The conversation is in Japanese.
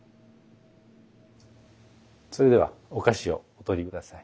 それではお菓子をお取り下さい。